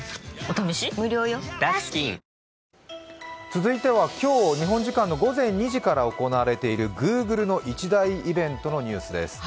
続いては今日、日本時間の午前２時から行われているＧｏｏｇｌｅの一大イベントのニュースです。